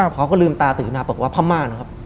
เขาก็ลืมตาตื่นมาบอกว่าพม่านะครับ